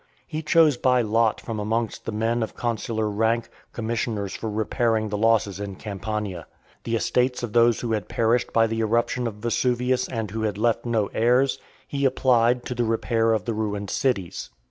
He chose by lot, from amongst the men of consular rank, commissioners for repairing the losses in Campania. The estates of those who had perished by the eruption of Vesuvius, and who had left no heirs, he applied to the repair of the ruined cities.